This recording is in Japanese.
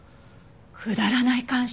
くだらない感傷？